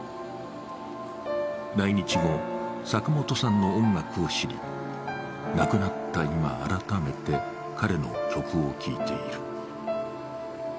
来日後、坂本さんの音楽を知り、亡くなった今、改めて彼の曲を聴いている。